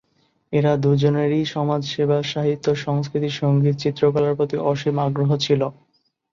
এঁরা দুজনেরই সমাজ সেবা সাহিত্য সংস্কৃতি সঙ্গীত চিত্রকলার প্রতি অসীম আগ্রহ ছিল।